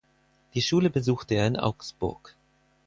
Die Schule besuchte er in Augsburg.